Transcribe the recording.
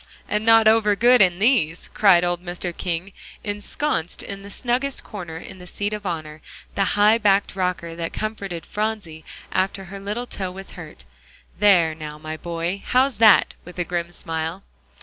"And not over good in these," cried old Mr. King, ensconced in the snuggest corner in the seat of honor, the high backed rocker that comforted Phronsie after her little toe was hurt. "There, now, my boy, how's that?" with a grim smile.